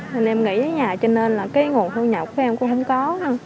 nên em nghỉ ở nhà cho nên là cái nguồn thu nhập của em cũng không có